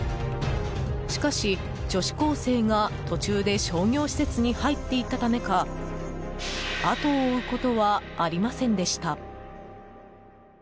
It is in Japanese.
しかし、女子高生が途中で商業施設に入っていったためか後を追うことはありませんでした。